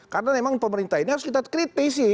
karena memang pemerintah ini harus kita kritisi